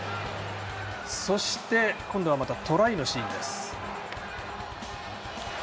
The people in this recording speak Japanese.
今度は、またトライのシーンです。